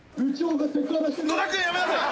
野田君やめなさい！